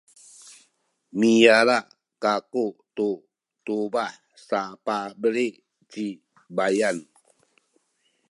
miyala kaku tu tubah sapabeli ci baiyan.